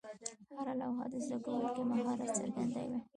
هره لوحه د زده کوونکي مهارت څرګنداوه.